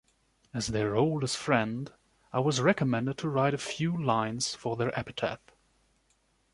As their oldest friend, I was recommended to write a few lines for their epitaph.